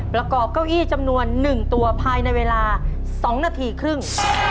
ประกอบเก้าอี้จำนวน๑ตัวภายในเวลา๒นาทีครึ่ง